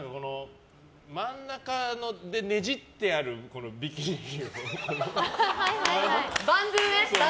真ん中でねじってあるビキニ。